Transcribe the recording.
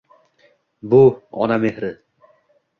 Bu- Ona mehri.